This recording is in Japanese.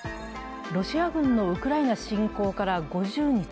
ロシア軍のウクライナ侵攻から５０日。